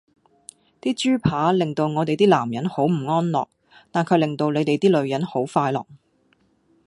啲豬扒令到我哋啲男人好唔安樂,但卻令到你哋啲女人好快樂!